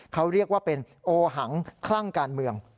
เขาเรียกว่าเป็นโอหังคลั่งการเมือง